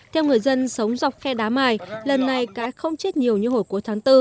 theo người dân sống dọc phe đá mài lần này cá không chết nhiều như hồi cuối tháng bốn